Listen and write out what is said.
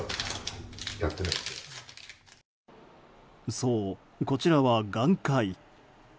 そう、こちらは眼科医。